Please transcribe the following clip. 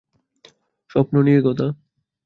স্বপ্ন নিয়ে কী কথা?